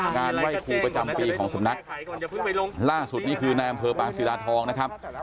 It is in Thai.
งานประจำปีของสำนัคล่าสุดนี้คือนายอำเภอปากสีราชทองนะครับ